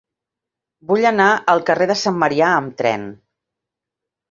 Vull anar al carrer de Sant Marià amb tren.